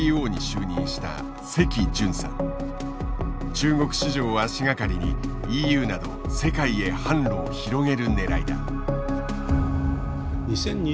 中国市場を足掛かりにＥＵなど世界へ販路を広げるねらいだ。